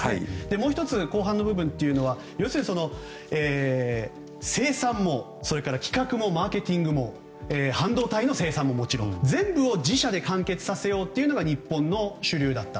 もう１つ、後半の部分は生産も企画もマーケティングも半導体の生産ももちろん全部を自社で完結させようというのが日本の主流だった。